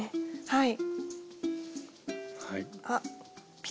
はい！